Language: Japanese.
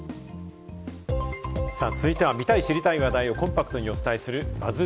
続いては、見たい知りたい話題をコンパクトにお伝えするＢＵＺＺ